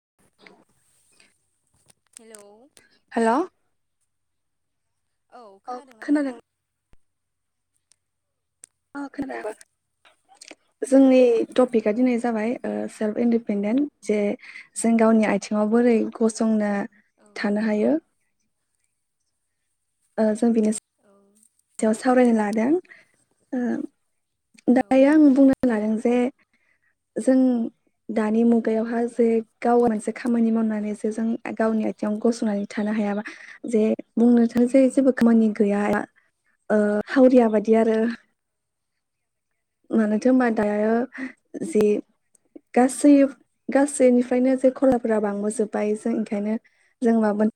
[inaudible] Hello hello औ खोनादोंना खोनादों नोंथां ओ औ खोनाबाय जोंनि टपिकआ औ दिनै जाबाय ओ सेल्फ इन पेनदेन जे जों गावनि आथिङाव बोरै गसंनो औ थानो हायो ओ जों बेनि औ सावरायनो लादों ओ औ दायो आं बुंना लादों जे जों दानि मुगायावहा जे गाव मोनसे खामानि मावनानै जे जों गावनि आथिङाव गसंनानै थाना हायाबा जे बुंनो थाङो जे जेबो खामानि गैया ओ हावरिया बादि आरो औ मानोथो होनबा दायो जे गासै गासैनिफ्रायनो जे खलाफोरा बांबोजोबबाय जों ओंखायनो जों माब [inaudible]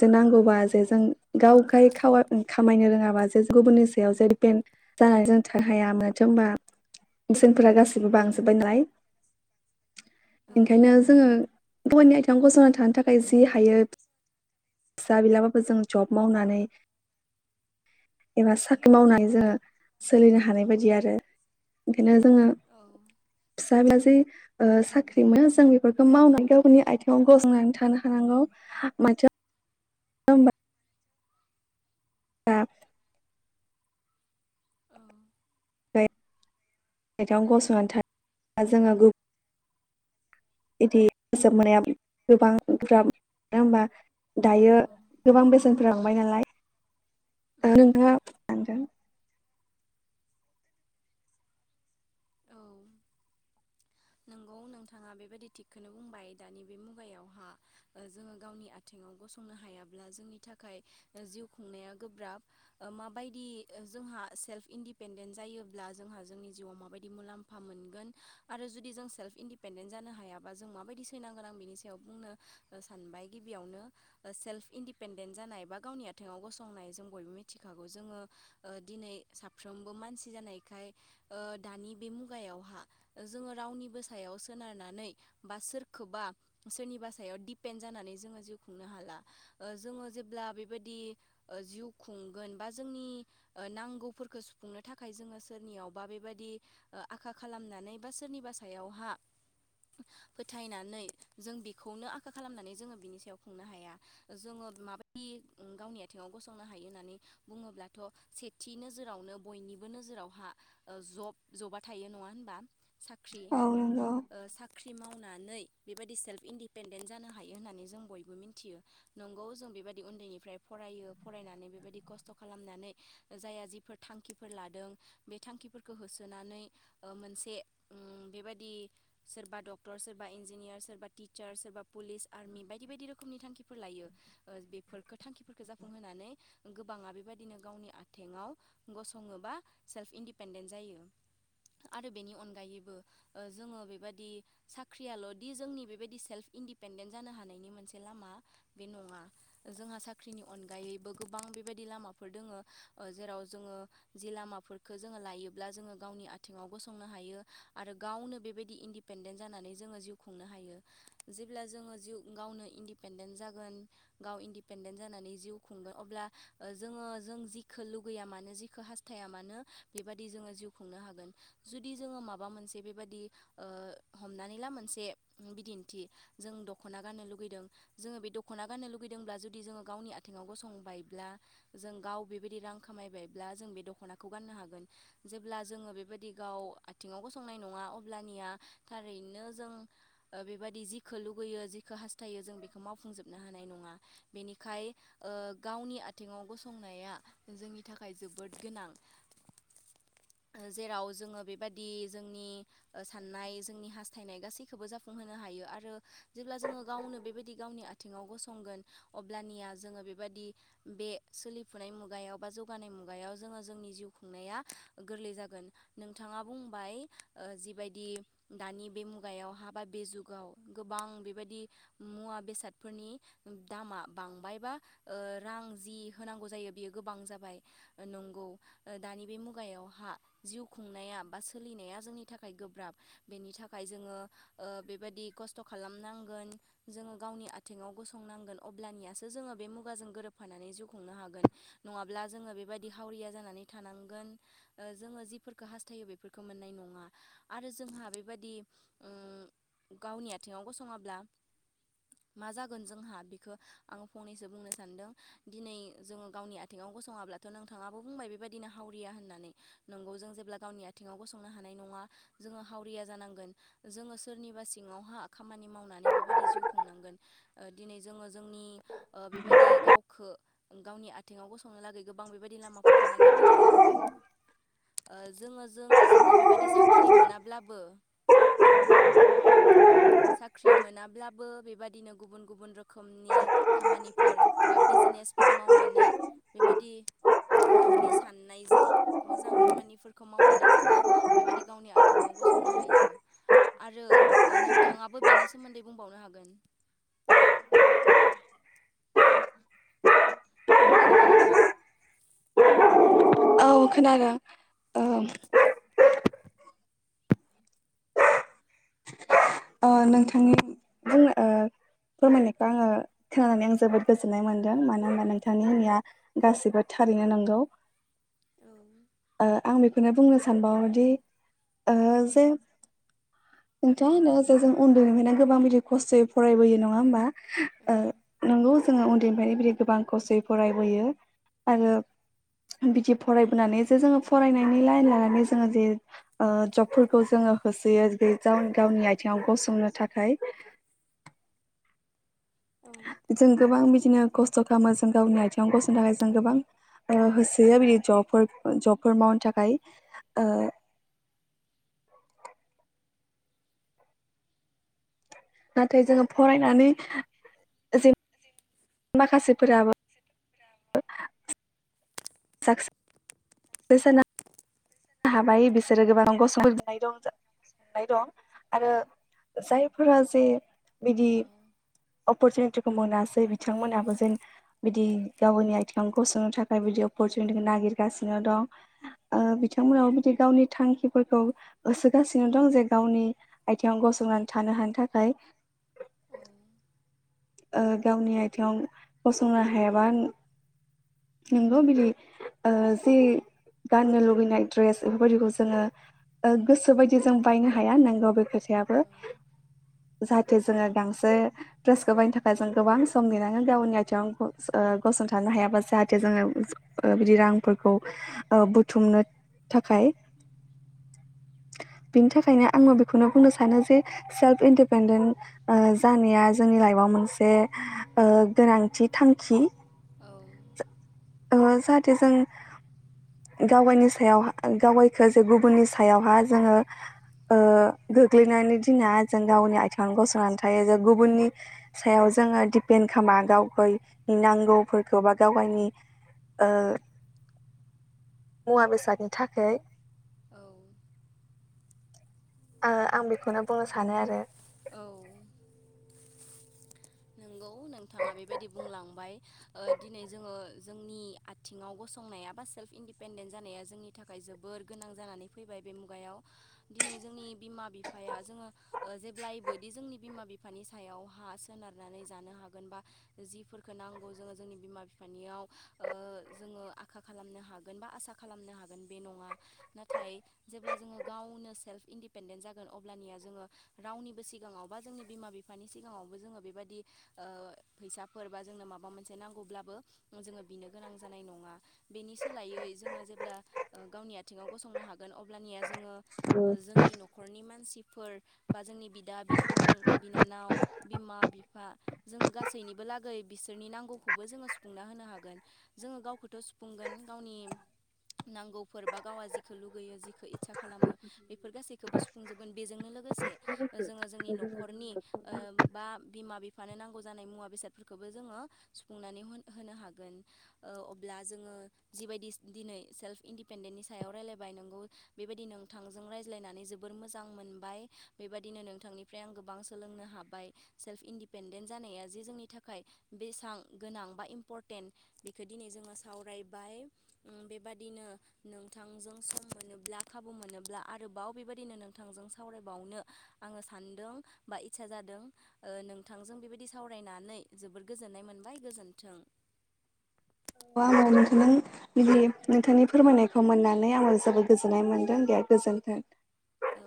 जे नांगौबा जे जों गाव गाय खामायनो रोङाबा जे गुबुननि सायाव दिपेन जानानै जों थानो हाया मानोथो होमबा बेसनफोरा गासैबो बांजोबबाय नालाय ओंखायनो जोङो गुबुननि आइथिंआव गसंनानै थानो थाखाय जि हायो फिसा बिलाबाबो जों जब मावनानै एबा साख्रि मावनानै जोङो सोलिनो हानाय बायदि आरो बेखायनो जोङो औ फिसा बा जे ओ साख्रिमोन जों बेफोरखौ मावनानै गावनि आथिङाव गसंनानै थानो हानांगौ [inaudible] हा औ [inaudible] गसंनानै थानो जोङो गुबुन बिदि फोसाब नाया गोबां गोब्राब मानो होमबा दायो औ गोबां बेसेनफोरा बांबाय नालाय उम [inaudible] औ नोंगौ नोंथाङा बेबायदि थिगखौनो बुंबाय दानि बे मुगायावहा जोङो गावनि आथिं ङाव गसंनो हायाब्ला जोंनि थाखाय जिउ खुंनाया गोब्राब ओ माबायदि ओ ज जोंहा सेल्प इन्दिपेन्देन्ट जायोब्ला जोंहा जोंनि जिउवाव माबादि मुलामफा मोन आरो जो जुदि जों सेल्फ इन्डिपेडेन्ट जानो हायाबा जों माबायदि सैनांगोन आं बिनि सायाव बुंनो सानबाय गिबियावनो सेल्फ इदिपेडेन्ट जानाय बा गावनि आथिङाव गसंनाय जों बयबो मिथिखागौ जोङो ओ दिनै साफ्रोमबो मानसि जानायखाय ओ दानि बे मुगायावहा जोङो रावनिबो सायाव सोनारनानै बा सोरखौबा सोरनि बा सायाव दिपेन्ड जानानै जोङो जिव खुंनो हाला ओ जोङो जेब्ला बेबायदि ओ जिउ खुंगोन बा जोंनि नांगौफोरखौ सुफुंनो थाखाय जोङो सोरनियावबा बेबायदि ओ आखा खालामनानै बा सोरनि बा सायावहा फोथायनानै जों बेखौनो आखा खालामनानै जोङो बिनि सायाव खुंनो हाया जोङो माबायदि उम गावनि आथिङाव गसंनो हायो नानै बुङोब्लाथ' सेथि नोजोरावनो बयनि बो नोजोरावहा ओ जब जबा थायो नङा होनबा साख्रि औ नंगौ ओ साख्रि मावनानै बेबायदि सेल्फ इन्डिपेेनडेण्ट जानो हायो होननानै जों बयबो मिथियो नंगौ जों बे बायदि उन्दैनिफ्राय फरायो फरायनानै बेबायदि खस्थ' खालामनानै जाया जिफोर थांखिफोर लादों बे थांखिफोरखौ होसोनानै ओ मोनसे उम बेबायदि सोरबा डक्टर सोरबा इन्जिनियार सोरबा टिचार सोरबा पुलिस आर्मि बायदि बायदि रोखोमनि थांखिफोर लायो ओ बेफोरखो थांखिफोरफोरखो जा फुंहोनानै गोबांङा बेबायदिनो गावनि आथेंङाव गसंङो बा सेल्फ इन्डिपेेनडेण्ट जा यो आरो बेनि अन गायैबो ओ जोङो बेबायदि साख्रियाल' दि जोंनि बेबायदि सेल्फ इन्डिपेन्डेन जानो हानाय नि मोनसे लामा बे नङा जोंहा साख्रिनि अनगायैबो गोबां बेबायदि लामाफोर दोङो ओ जेराव जोङो जि लामाफोरखो जोङो लायोब्ला जोङो गावनि आथिंङाव गसंनो हायो आरो गावनो बेबायदि इन्डिपेन्डेन्ट जानानै जोङो जिउ खुंनो हायो जेब्ला जोङो जिउ गा वनो इन्डिपेन्डेन्ट जागोन गाव इन्डिपेनडेन्ट जानानै जिउ खुंगोन अब्ला ओ जोङो जों जिखो लुगैया मानो जिखो हास्थाया मानो बेबादि जोङो जिउ खुंनो हागोन जुदि जोङो मा बा मोनसे बेबादि ओ हमनानै ला मोनसे बिदिन्थि जों दख'ना गाननो लु गैदों जोङो बे दख'ना गाननो लुगैदोंब्ला जुदि जोङो गावनि आथिंङाव गसंबायब्ला जों गाव बे बादि रां खामायबायब्ला जों बे दख'नाखौ गाननो हागोन जेल्बा जों बेबादि गाव आ थिंङाव गसंनाय नङा अब्लानिया थारैनो जों ओ बेबायदि जिखो लुगैयो जिखो हास थायो जों बेखौ मावफुंजोबनो हानाय नङा। बेनिखाय ओ गावनि आथिंङाव गसंनाया जोंनि थाखाय जोबोद गोनां। [inaudible] ओ जेराव जोङो बेबादि जोंनि ओ साननाय जोंनि हास्थायनाय गासैखोबो गावनि आथिंङाव गसंगोन अ ब्लानिया जोङो या गोर्लै जागोन नों थाङा बुंबाय ओ जिबायदि दानि बे मुगायाव हा बा बे जुगाव गोबां बेबायदि मुवा-बेसादफोरनि दामा बांबाय बा ओ रां जि होनांगौ जायो बियो गोबां जाबाय ओ नंगौ ओ दानि बे मुगायाव हा जिउ खुंनाया बा सोलिनाया जोंनि थाखाय गोब्राब बेनि थाखाय जोङो ओ बेबायदि खस्थ' खालामनांगोन। जोङो गावनि आथिंङाव गसंनांगोन अब्लानियासो जोङो बे मुगाजों गोरोबफानानै जिउ खुंनो हागोन। नङाब्ला जोङो बेबायदि हावरिया जानानै थानांगोन ओ जोङो जिफोर खो हास्थायो बेफोरखो मोननाय नङा आरो जोंहा बेबादि उम गावनि आथिङाव गसंङाब्ला मा जागोन जोंहा बेखो आं फंनैसो बुंनो सानदों दिनै जोङो गावनि आथिङाव गसंङाब्लाथ' नोंथांङाबो बुंबाय बेबायदिनो हावरिया होन्नानै नंगौ जों जे ब्ला गावनि आथिंङाव गसंनो हानाय नङा जोङो हावरिया जानांगोन जोङो सोरनिबा सिङावहा खा मानि मावनानै बेबायदि जिउ खुंनांगोन ओ दिनै जोङो जोंनि ओ बेबायदि गावखो गावनि आथिंङाव गसंनो लागै गो बां बेबायदि लामाफोरखौ नागिरनानै लानांगोन। ओ जोङो-जों-जोङो बेबायदि साख्रि मोनाब्लाबो [unintelligible] साख्रि मोनाब्लाबो बेबादिनो गुबुन गुबुन रोखोमनि खामानिफोर बा बिज नेसफोर मावनानै बेबायादि गावनि साननायजों मोजां खामानिफोरखौ मावनानै जोङो बेबायदि गावनि आथेङाव गसंनो हायो आरो नोंथाङाबो बेनि सोमोन्दै बुंबावनो हागोन [unintelligible] खोनादोंना नोंथां औ खोनादों ओ ओ नोंथांनि बुंनो ओ फोरमायनायखौ आङो खोनानानै आं जोबोद गोजोननाय मोनदों मानो होनबा नोंथांमोननिया गासिबो थारैनो नांगौ ओ आं बेखौ बेखोनो बुंनो सानबावोदि ओ जे नोंथाङा होनो जे जों उन्दैनिफ्रायना गोबां बिदि खस्थ'यै फरायबोयो नङा ओमबा ओ नोंगौ जोङो उन्दैनिफ्राय बिदि गोबां खसथ'यै फरायबोयो आरो बिदि फरायबोनानै जे जोङो फरायनायनि लाइन लानानै जोङो जे ओ जबफोरखौ जोङो होसोयो गाव गावनि आथिङाव गसंनो थाखाय जों गोबां बिदिनो खस्थ' खामो जों गावनि आथिङाव गस'नो थाखाय जों गोबां ओ होसोयो बिदि जबफोर जबफोर मावनो थाखाय ओ [unintelligible] नाथाय जोङो फरायनानै जे [unintelligible] माखासेफोराबो साखसेस [inaudible] नाय दं आरो जायफोरा जे बिदि अपरसुनिटिखौ मोनासै बिथांमोनहाबो जेन बिदि गावनि आइथेङाव थाखाय बिदि अपर सुनुतिखौ नागिरगासिनो दं ओ बि थांमोनाबो बिदि गावनि थांखिफोरखौ होसोगासिनो दं जे गावनि आइथेङाव गसंनानै थानो हानो थाखाय ओ गावनि आइथेङाव गसंनो हायाबा नोंगौ बिदि ओ जि गाननो लुुबैनाय ड्रेस बेफोरबायदिखौ जोङो ओ गोसो बायदि जों बायनो हाया नोंगौ बे खोथायाबो। जाहाथे जोङो [unintelligible] ड्रेसखौ बायनो थाखाय जों गोबां सम नेनाङो गावनि आइथेङाव ग ओ गसंथानो हायाबा जाहाथे जोङो ओ बिदि रांफोरखौ ओ बुथुमनो थाखाय। [unintelligible] बिनि थाखायनो आङो बेखौनो बुंनो सानो जे सेल्फ इन्डिपेडेन्ट ओ जानाया जोंनि लाइफआव मोनसे ओ गोनांथि थांखि। औ ओ जाहाथे जों गावगायनि सायाव गावगायखो जे गुबुननि सायावहा जोङो ओ गोग्लैनानै दिना जों गावनि आइथेङावनो गसंनानै थायो जों गुबुननि सायाव जोङो दिपेन्ड खामा गावगायनि नांगौफोरखौ बा गावगायनि ओ मुवा बेसादनि थाखै औ आङो आं बेखौनो बुंनो सानो आरो। औ नोंगौ नोंथाङा बेबायदि बुंलांबाय ओ दिनै जोङो जोंनि आथिङाव गसं नाया बा सेल्फ इन्दिपेन्डेन्ट जानाया जोंनि थाखाय जोबोर गोनां जानानै फैबाय बे मुगायाव दिनै जोंनि बिमा बिफाया जोङो ओ जेब्लायबोदि जोंनि बिमा बिफानि सायाव हा सोनार नानै जानो हागोन बा जिफोरखौ नांगौ जोङो जोंनि बिमा बिफानियाव ओ जोङो आखा खालामनो हागोन बा आसा खालामनो हागोन बे नङा नाथाय जेब्ला जोङो गावनो सेल्फ इन्दिपेन्डेन्त जागोन अब्लानिया जोङो रावनिबो सिगाङाव बा जोंनि बिमा बिफानि सिगाङावबो जोंङो बेबाय दि ओ फैसाफोर बा जोंनो माबा मोनसे नांगौब्लाबो जोङो बिनो गोनां जानाय नङा। बेनि सोलायै जोङो जेब्ला गावनि आथिङाव गसंनो हागोन अब्लानिया जोङो ओ जोंनि न'खरनि मानसिफोर बा जोंनि बिदा बिफं बि नानाव बिमा बिफा जोङो गासैनिबो लागै बिसोरनि नांगौखौबो जोङो सुफुंना होनो हागोन जोङो गावखौथ' सुफुंगोन गावनि नांगौफोर बा गावा जिखौ लुगैयो जिखौ इस्सा खालामो बेफोर गासैखौबो सुफुंजोबोन बेजोंनो लोगोसे ओ जोङो जोंनि न'खरनि ओ बा मानो नांगौ जानाय मुवा बेसादफोरखौबो जोङो सुफुंनानै होनो हागोन ओ अब्ला जोङो जिबायदि दिनै सेल्फ इन्दिपेन्डेन्टनि सायाव रायलायबाय नोंगौ बेबायदि नोंथांजों रायज्लायना जोबोर मोजां मोनबाय बेबायदिनो नोंथांनिफ्राय आं गोबां सोलोंनो हाबाय। सेल्फ इन्डिपेन्डेन्ट जानाया जे जोंनि थाखाय बेसां गोनां बा इम्परटेन्ट बेखौ दिनै जों ङो सावरायबाय उम बेबादिनो नोंथांजों सम मोनोब्ला खाबु मोनोब्ला आरोबाव बेबायदिनो नोंथांजों सावरायबावनो आङो सानदों बा इत्सा जादों। ओ नोंथांजों बेबायदि सावरायनानै जोबोर गोजोननाय मोनबाय गोजोन्थों। औ आंबो नोंथांजों बिदि नोंथांनि फोरमायनायखौ मोननानै आङो जोबोद गोजोननाय मोनदों। दे गोजोनथों। औ।